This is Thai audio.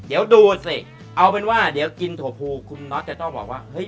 เดี๋ยวดูสิเอาเป็นว่าเดี๋ยวกินถั่วภูคุณน็อตจะต้องบอกว่าเฮ้ย